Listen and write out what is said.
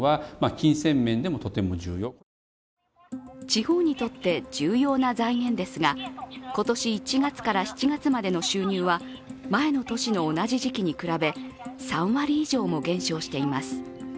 地方にとって重要な財源ですが今年１月から７月までの収入は前の年の同じ時期に比べ３割以上も減少しています。